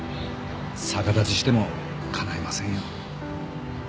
逆立ちしてもかないませんよ。